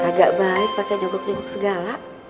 tidak baik pake nyogok nyogok segala